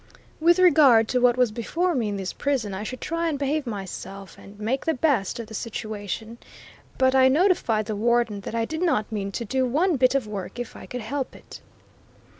With regard to what was before me in this prison I should try and behave myself, and make the best of the situation; but I notified the Warden that I did not mean to do one bit of work if I could help it.